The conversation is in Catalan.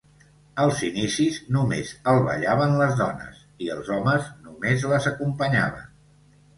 Als inicis només el ballaven les dones, i els homes només les acompanyaven.